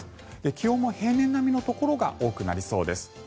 気温も平年並みのところが多くなりそうです。